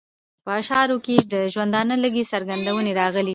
په اشعارو کې یې د ژوندانه لږې څرګندونې راغلې.